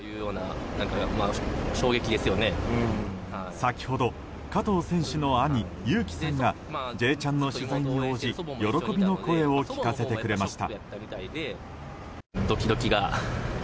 先ほど、加藤選手の兄優騎さんが「Ｊチャン」の取材に応じ喜びの声を聞かせてくれました。